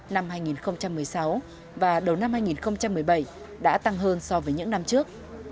năm hai nghìn một mươi sáu và đầu năm hai nghìn một mươi bảy đã tăng hơn so với những năm trước